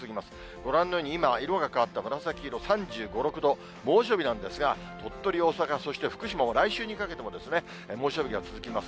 ご覧のように、今は色が変わった紫色、３５、６度、猛暑日なんですが、鳥取、大阪、そして福島も、来週にかけても猛暑日が続きます。